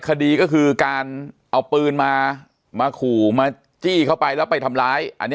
คดีก็คือการเอาปืนมามาขู่มาจี้เข้าไปแล้วไปทำร้ายอันนี้